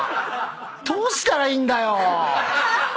どうしたらいいんだよ！